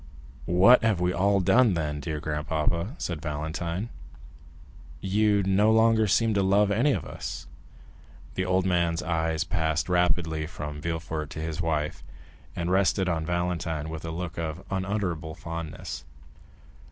"What have we all done, then, dear grandpapa?" said Valentine; "you no longer seem to love any of us?" The old man's eyes passed rapidly from Villefort and his wife, and rested on Valentine with a look of unutterable fondness.